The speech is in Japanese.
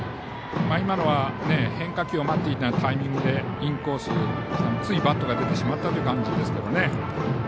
今のは、変化球を待っていたタイミングでインコース、ついバットが出てしまったという感じですけど。